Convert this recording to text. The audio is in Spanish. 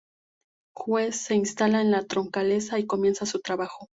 Juez" se instala en Troncales y comienza su trabajo.